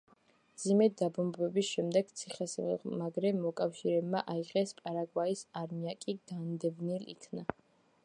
მძიმე დაბომბვების შემდეგ, ციხესიმაგრე მოკავშირეებმა აიღეს, პარაგვაის არმია კი განდევნილ იქნა.